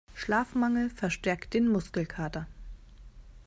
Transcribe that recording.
Schlafmangel verstärkt den Muskelkater.